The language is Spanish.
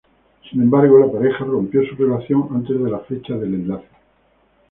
Sin embargo, la pareja rompió su relación antes de la fecha del enlace.